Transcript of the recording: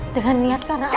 dengan niat karena